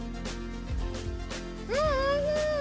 うんおいしい！